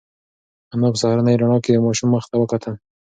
انا په سهارنۍ رڼا کې د ماشوم مخ ته وکتل.